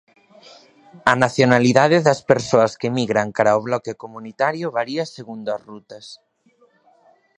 A nacionalidade das persoas que migran cara ao bloque comunitario varía segundo as rutas.